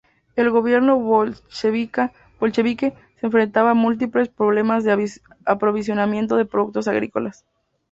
El gobierno bolchevique se enfrentaba a múltiples problemas de aprovisionamiento de productos agrícolas.